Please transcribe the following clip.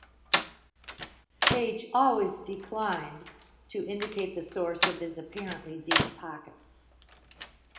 Page always declined to indicate the source of his apparently deep pockets.